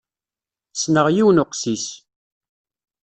Ssneɣ yiwen uqessis.